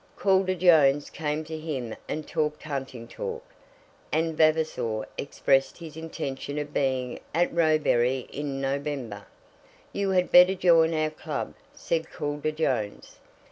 Calder Jones came to him and talked hunting talk, and Vavasor expressed his intention of being at Roebury in November. "You had better join our club," said Calder Jones.